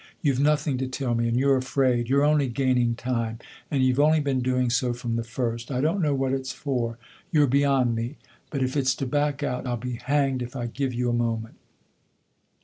You've nothing to tell me, and you're afraid. You're only gaining time, and you've only been doing so from the first. I don't know what it's for you're beyond me ; but if it's to back out I'll be hanged if I give you a moment."